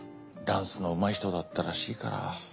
ダンスのうまい人だったらしいから。